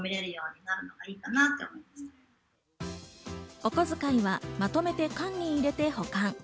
お小遣いはまとめて缶に入れて保管。